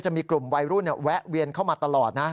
จะมีกลุ่มวัยรุ่นแวะเวียนเข้ามาตลอดนะ